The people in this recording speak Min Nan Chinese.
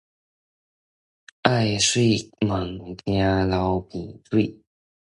愛媠毋驚流鼻水